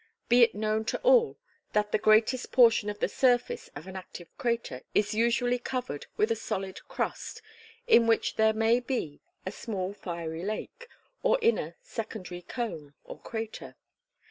Be it known to all, that the greatest portion of the surface of an active crater is usually covered with a solid crust, in which there may be a small fiery lake, or inner secondary cone or crater.